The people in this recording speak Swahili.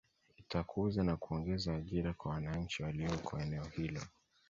Itakuza na kuongeza ajira kwa wananchi walioko eneo hilo